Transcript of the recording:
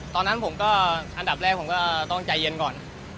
ตอนนั้นผมก็อันดับแรกผมก็ต้องใจเย็นก่อน